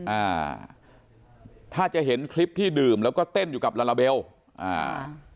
อ่าถ้าจะเห็นคลิปที่ดื่มแล้วก็เต้นอยู่กับลาลาเบลอ่า